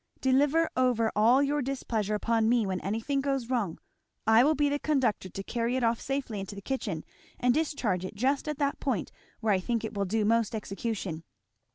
Deliver over all your displeasure upon me when anything goes wrong I will be the conductor to carry it off safely into the kitchen and discharge it just at that point where I think it will do most execution.